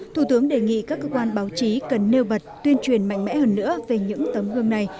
thủ tướng đề nghị các cơ quan báo chí cần nêu bật tuyên truyền mạnh mẽ hơn nữa về những tấm gương này